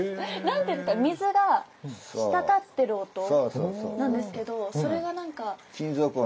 何ていうんですか水が滴ってる音なんですけどそれが何か金属音。